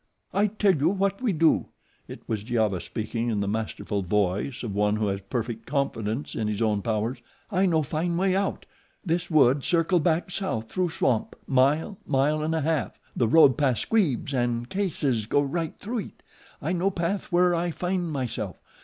"I tell you what we do." It was Giova speaking in the masterful voice of one who has perfect confidence in his own powers. "I know fine way out. This wood circle back south through swamp mile, mile an' a half. The road past Squeebs an' Case's go right through it. I know path there I fin' myself.